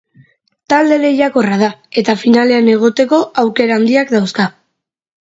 Talde lehiakorra da eta finalean egoteko aukera handiak dauzka.